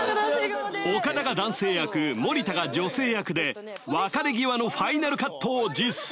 岡田が男性役森田が女性役で別れ際のファイナルカットを実践